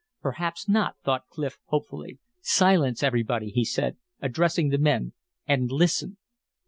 "Perhaps not," thought Clif, hopefully. "Silence everybody," he said, addressing the men, "and listen."